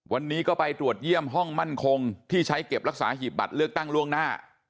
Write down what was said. วันนี้ก็ไปตรวจเยี่ยมห้องมั่นคงที่ใช้เก็บรักษาหีบบัตรเลือกตั้งล่วงหน้า